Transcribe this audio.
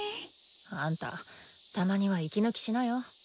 あんたたまには息抜きしなよ。